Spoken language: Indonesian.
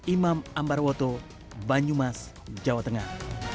imam ambarwoto banyumas jawa tengah